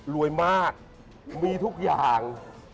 รวยมากมีทุกอย่าง